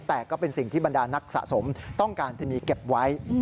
แต่ก็เป็นสิ่งที่บรรดานักสะสมต้องการจะมีเก็บไว้